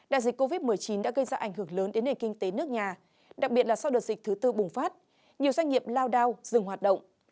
đại dịch covid một mươi chín đã gây ra ảnh hưởng lớn đến nền kinh tế nước nhà đặc biệt là sau đợt dịch thứ tư bùng phát nhiều doanh nghiệp lao đao dừng hoạt động